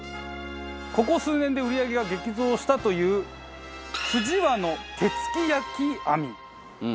ここ数年で売り上げが激増したという辻和の手付焼網。